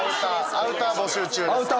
アウター募集中です。